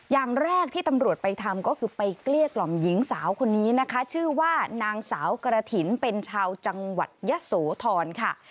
อย่างแรกที่ตำรวจทำก็คือนางสาวกระถิญเป็นชาวจังหวัดยสโถร